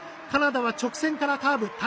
カナダは直線からカーブ。